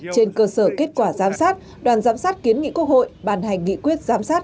trên cơ sở kết quả giám sát đoàn giám sát kiến nghị quốc hội bàn hành nghị quyết giám sát